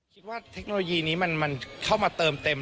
เทคโนโลยีนี้มันเข้ามาเติมเต็ม